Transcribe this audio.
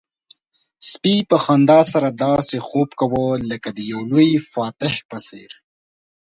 سپي په خندا سره داسې خوب کاوه لکه د یو لوی فاتح په څېر.